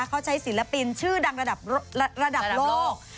เขาใช้ศิลปินชื่อดังระดับโลก